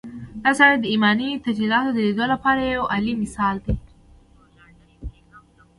دا سړی د ايماني تجلياتود ليدو لپاره يو اعلی مثال دی.